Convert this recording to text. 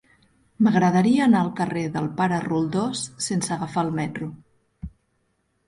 M'agradaria anar al carrer del Pare Roldós sense agafar el metro.